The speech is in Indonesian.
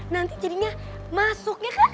nanti jadinya masuknya ke